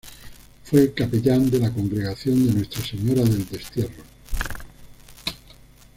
Fue capellán de la congregación de Nuestra Señora del Destierro.